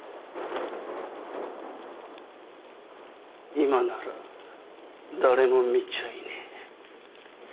今なら誰も見ちゃいねえ。